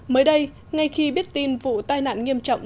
mới đây ngay khi biết tin vụ tai nạn nghiêm trọng